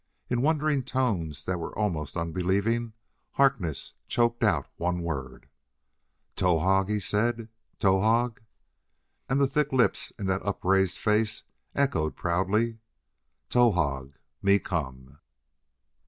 In wondering tones that were almost unbelieving, Harkness choked out one word. "Towahg!" he said. "Towahg!" And the thick lips in that upraised face echoed proudly: "Towahg! Me come!"